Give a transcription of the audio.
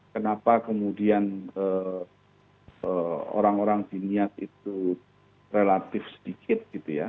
kenapa kemudian orang orang di niat itu relatif sedikit gitu ya